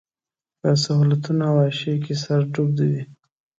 په سهولتونو او عياشيو کې يې سر ډوب وي.